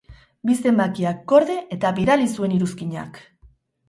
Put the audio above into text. Bi zenbakiak gorde eta bidali zuen iruzkinak!